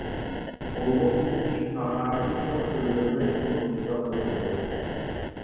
بۇمۇ بىز ئۈچۈن ناھايىتى چوڭ ئىلگىرىلەش بولۇپ ھېسابلىنىدۇ.